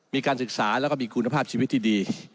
มีการศึกษาแล้วก็มีคุณภาพชีวิตที่ดี